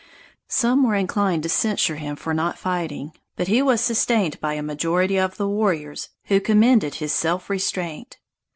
Some were inclined to censure him for not fighting, but he was sustained by a majority of the warriors, who commended his self restraint.